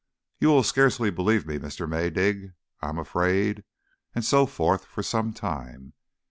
"You will scarcely believe me, Mr. Maydig, I am afraid" and so forth for some time.